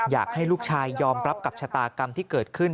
อยากให้ลูกชายยอมรับกับชะตากรรมที่เกิดขึ้น